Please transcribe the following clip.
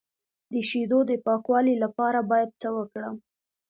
د شیدو د پاکوالي لپاره باید څه وکړم؟